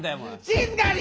静かに！